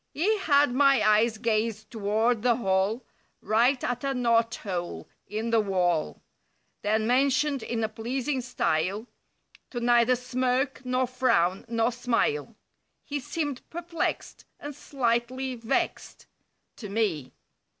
He had my eyes gaze toward the hall; Right at a knot hole in the wall. Then mentioned in a pleasing style. To neither smirk, nor frown, nor smile— (He seemed perplexed And slightly vexed— To me).